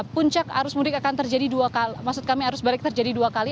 puncak arus mudik akan terjadi dua kali maksud kami arus balik terjadi dua kali